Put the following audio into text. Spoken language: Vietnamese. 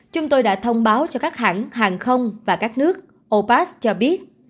chúng tôi đã thông báo cho các hãng hàng không và các nước opars cho biết